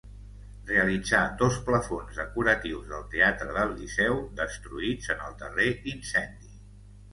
Realitzà dos plafons decoratius del Teatre del Liceu destruïts en el darrer incendi.